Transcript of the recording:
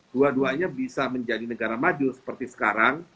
dua duanya bisa menjadi negara maju seperti sekarang